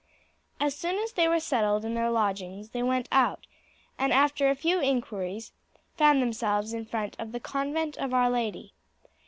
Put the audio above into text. As soon as they were settled in their lodgings they went out, and after a few inquiries found themselves in front of the convent of Our Lady.